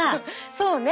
そうね。